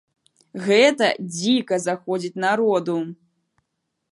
Гэта дзіка заходзіць народу.